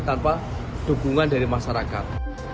tanpa dukungan dari masyarakat